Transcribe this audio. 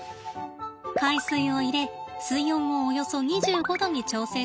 海水を入れ水温をおよそ２５℃に調整します。